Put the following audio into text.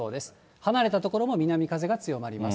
離れた所も南風が強まります。